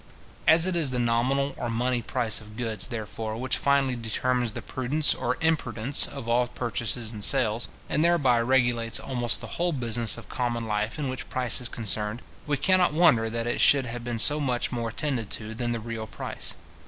As it is the nominal or money price of goods, therefore, which finally determines the prudence or imprudence of all purchases and sales, and thereby regulates almost the whole business of common life in which price is concerned, we cannot wonder that it should have been so much more attended to than the real price.